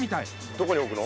どこにおくの？